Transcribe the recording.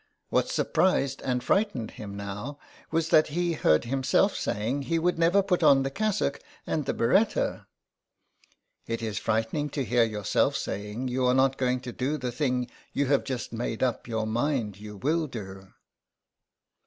What surprised and frightened him now was that he heard himself saying he would never put on the cassock and the biretta. It is frightening to hear yourself saying you are not going to do the thing you have just made up your mind you will do.